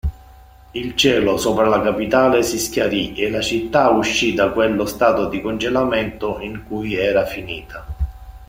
Il cielo sopra la capitale si schiarì e la città uscì da quello stato di congelamento in cui era finita.